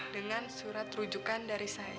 dengan surat rujukan dari saya